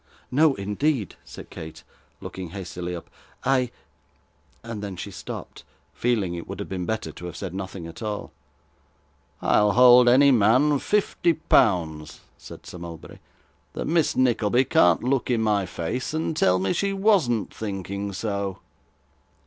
'No, indeed,' said Kate, looking hastily up, 'I ' and then she stopped, feeling it would have been better to have said nothing at all. 'I'll hold any man fifty pounds,' said Sir Mulberry, 'that Miss Nickleby can't look in my face, and tell me she wasn't thinking so.